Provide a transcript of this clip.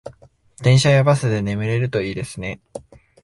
電車やバスで眠れるといいですね